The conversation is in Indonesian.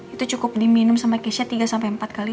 itu cukup diminum sama keisha tiga empat kali